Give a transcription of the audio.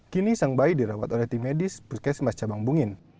kini sang bayi dirawat oleh tim medis puskesmas cabang bungin